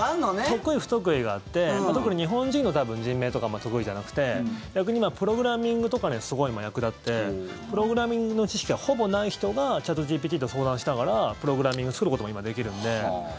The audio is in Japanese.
得意不得意があって特に日本人の人名とかあまり得意じゃなくて逆にプログラミングとかにはすごい、今、役立ってプログラミングの知識がほぼない人がチャットＧＰＴと相談しながらプログラミングを作ることも今、できるんで。